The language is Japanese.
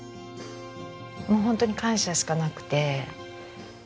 もう本当に感謝しかなくて。